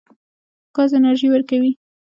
ګاز انرژي ورکوي.